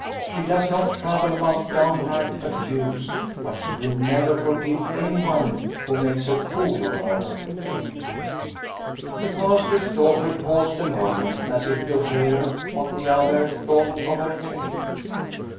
She does not trouble about downright abuse, but she will never forgive anyone who makes a fool of her/ ' The Pastor's daughter paused a moment as if to hear what the other thought of her tale.